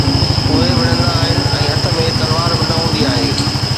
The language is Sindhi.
اهي وڙهندا آهن ۽ هٿ ۾ تلوار به نه هوندي آهي